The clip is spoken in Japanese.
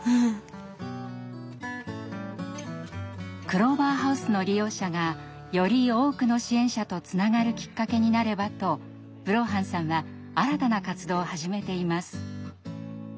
クローバーハウスの利用者がより多くの支援者とつながるきっかけになればとブローハンさんは新たな活動を始めています。